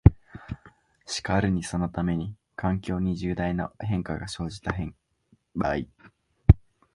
しかるにそのために、環境に重大な変化が生じた場合、